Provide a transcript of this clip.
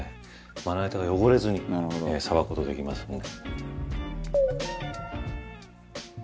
まな板が汚れずにさばく事ができますので。